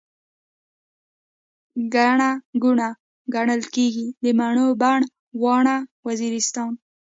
ګڼه ګوڼه، ګڼل کيږي، د مڼو بڼ، واڼه وزيرستان